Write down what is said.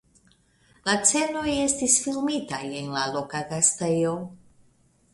La scenoj estis filmitaj en la loka gastejo.